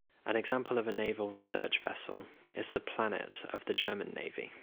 An example of a naval research vessel is the "Planet" of the German Navy.